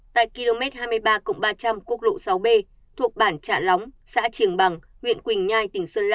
tại km hai mươi ba ba trăm linh quốc lộ sáu b thuộc bản trạ lóng xã triềng bằng huyện quỳnh nhai tỉnh sơn la